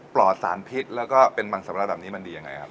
ปลอดสารพิษแล้วก็เป็นมันสำราแบบนี้มันดียังไงครับ